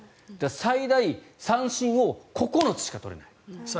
最大三振を９つしか取れない。